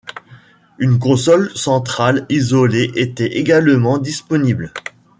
Une console centrale isolée était également disponible.